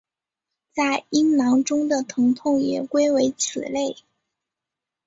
在阴囊中的疼痛也归为此类。